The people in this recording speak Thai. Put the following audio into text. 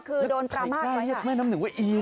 คือโดนกรามากไปแล้วใครกล้าเลขแม่น้ำหนึ่งว่าอีเลยเหรอ